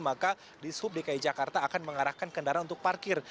maka di sub dki jakarta akan mengarahkan kendaraan untuk parkir